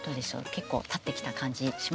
結構立ってきた感じしますよね。